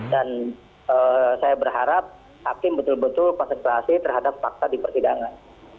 dan saya berharap hakim betul betul persekutasi terhadap fakta di persidangan